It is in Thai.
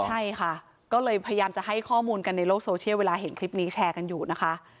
ใช่ค่ะก็เลยพยายามจะให้ข้อมูลกันในโลกโซเชียลเวลาเห็นคลิปนี้แชร์กันอยู่นะคะ